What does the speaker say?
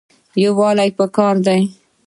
یووالی پکار دی